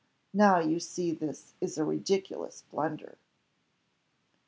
Now you see this is a ridiculous blunder."